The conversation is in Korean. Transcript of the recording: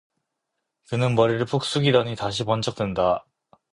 그는 머리를 푹 숙이더니 다시 번쩍 든다.